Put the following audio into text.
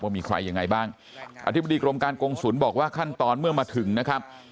มีใครยังไงบ้างอธิบดีกรมการกงศูนย์บอกว่าขั้นตอนเมื่อมาถึงนะครับ